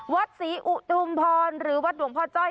วัดศรีอุทุมพรหรือวัดหลวงพ่อจ้อย